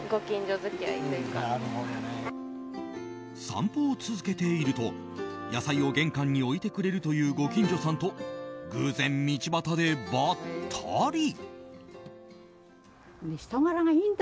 散歩を続けていると野菜を玄関に置いてくれるというご近所さんと偶然、道端でばったり！